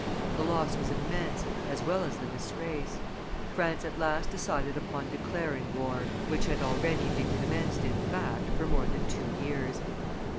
The loss was immense, as well as the disgrace. France at last decided upon declaring war, which had already been commenced in fact for more than two years.